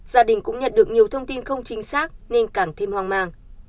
gia đình cũng nhận được nhiều thông tin không chính xác nên càng thêm hoang mang